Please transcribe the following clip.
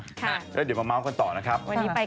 ค่ะเดี๋ยวมาเม้าท์กันต่อนะครับ